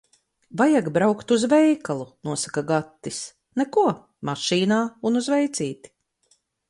"Vajag braukt uz veikalu," nosaka Gatis. Neko, mašīnā un uz veicīti.